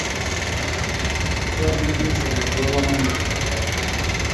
chomyet eng sopet kopo komonut